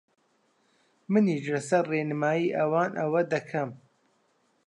منیش لەسەر ڕێنمایی ئەوان ئەوە دەکەم